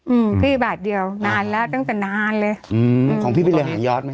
อืมพี่บาทเดียวนานแล้วตั้งแต่นานเลยอืมของพี่ไปเลยหายอดไหม